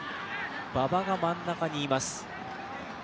馬場が真ん中にいます。